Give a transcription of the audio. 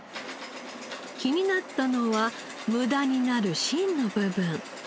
気になったのは無駄になる芯の部分。